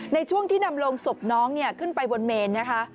ในช่วงที่นำลงศพน้องขึ้นไปบนเมนนะคะ